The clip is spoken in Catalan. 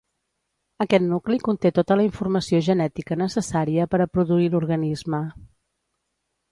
Aquest nucli conté tota la informació genètica necessària per a produir l'organisme.